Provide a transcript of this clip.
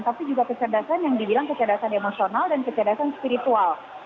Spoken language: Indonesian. tapi juga keserdasan yang dibilang keserdasan emosional dan keserdasan spiritual